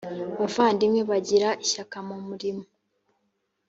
abavandimwe bagiraga ishyaka mu murimo